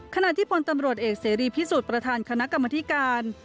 ขณะที่พลตำรวจเอกเสรีพิสุทธิ์ประธานคณะกรรมธิการ